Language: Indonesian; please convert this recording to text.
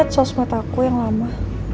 ya aku liat sosmed aku yang lama